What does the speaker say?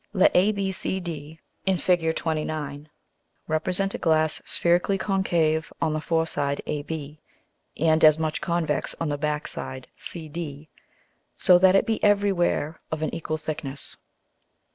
_ Let ABCD [in Fig. 29.] represent a Glass spherically concave on the foreside AB, and as much convex on the backside CD, so that it be every where of an equal thickness.